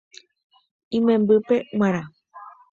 Imembýpe g̃uarã